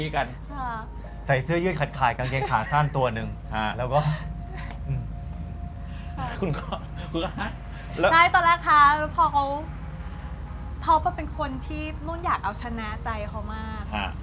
เขาเป็นคนที่นุ้นอยากเอาชนะใจเขามาก